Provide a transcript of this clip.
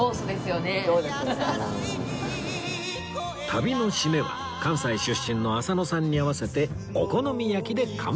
旅の締めは関西出身の浅野さんに合わせてお好み焼きで乾杯